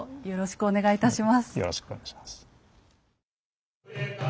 よろしくお願いします。